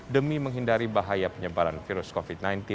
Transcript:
demi menghindari bahaya penyebaran virus covid sembilan belas